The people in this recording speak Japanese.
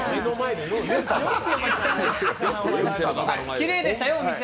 きれいでしたよ、お店。